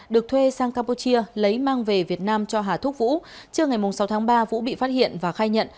được thuê sang campuchia lấy mang về việt nam cho hà thúc vũ trước ngày sáu tháng ba vũ bị phát hiện và khai nhận